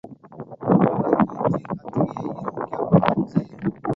அவர் நெஞ்சு அத்தகைய ஈரமிக்க பஞ்சு.